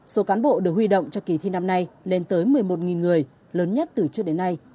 số cán bộ được huy động cho kỳ thi năm nay lên tới một mươi một người lớn nhất từ trước đến nay